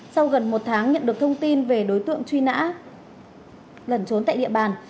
sau gần một tháng nhận được thông tin về đối tượng truy nã lẩn trốn tại địa bàn